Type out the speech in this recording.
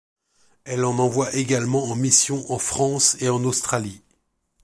Elle en envoie également en mission en France et en Australie.